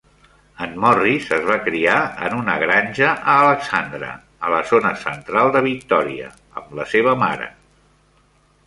En Morris es va criar en una granja a Alexandra, a la zona central de Victoria, amb la seva mare.